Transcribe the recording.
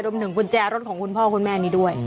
รวมถึงกุญแจรถของคุณพ่อคุณแม่นี้ด้วย